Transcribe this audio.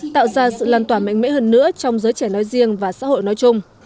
tạo ra sự lan tỏa mạnh mẽ hơn nữa trong giới trẻ nói riêng và xã hội nói chung